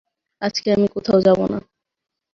আজকে আমি কোথাও যাবো না।